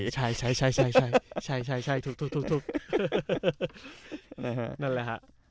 ใช่ใช่ใช่ใช่ใช่ใช่ใช่ใช่ใช่ทุกทุกทุกทุกนั่นแหละฮะอ่า